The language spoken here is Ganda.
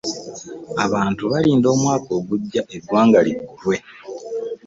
Abantu balinda mwaka gugya eggwanga ligulwe.